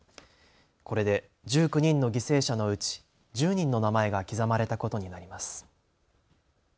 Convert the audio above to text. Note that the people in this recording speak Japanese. これで１９人の犠牲者のうち１０人の名前が刻まれたことになります。